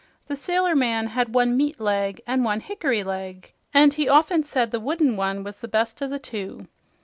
The sailor man had one "meat leg" and one "hickory leg," and he often said the wooden one was the best of the two.